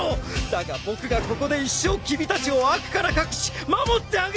だが僕がここで一生君たちを悪から隠し守ってあげる。